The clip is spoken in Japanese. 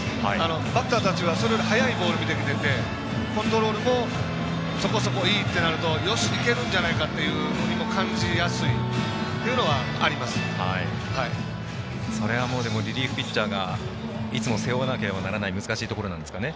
バッターたちはそれより速いボールを見てくれてコントロールもそこそこいいとなるとよし、いけるんじゃないかというふうにもそれはリリーフピッチャーいつも背負わないといけない難しいところなんですかね。